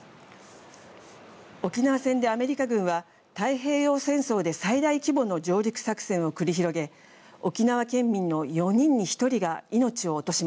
沖縄戦でアメリカ軍は太平洋戦争で最大規模の上陸作戦を繰り広げ沖縄県民の４人に１人が命を落としました。